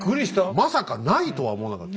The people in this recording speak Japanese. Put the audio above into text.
まさかないとは思わなかった。